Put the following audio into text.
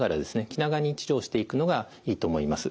気長に治療していくのがいいと思います。